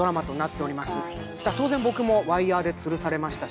当然僕もワイヤーでつるされましたし。